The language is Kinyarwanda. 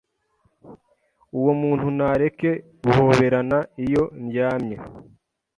uwo umuntu nareke guhoberana iyo ndyamye.